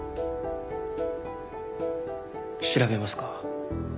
調べますか？